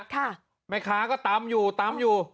ค่ะแม่ค้าก็ตำอยู่ตำอยู่